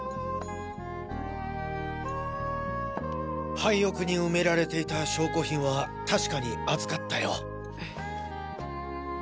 廃屋に埋められていた証拠品は確かに預かったよ。